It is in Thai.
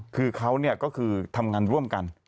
คือเขาก็คือทำงานร่วมกัน